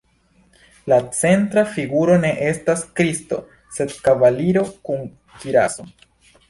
La centra figuro ne estas Kristo sed kavaliro kun kiraso.